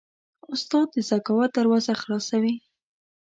استاد د ذکاوت دروازه خلاصوي.